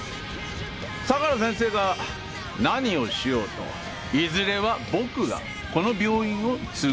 相良先生が何をしようといずれは僕がこの病院を継ぐんです。